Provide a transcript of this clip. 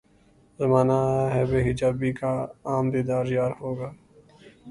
زمانہ آیا ہے بے حجابی کا عام دیدار یار ہوگا